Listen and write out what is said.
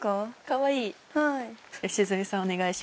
かわいい！